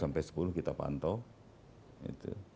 sampai sepuluh kita pantau